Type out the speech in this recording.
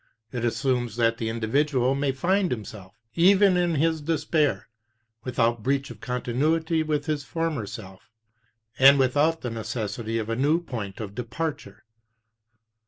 It assumes that the individual may find himself, even in his despair, without breach of continuity with his former self, and without the necessity of a new point of departure.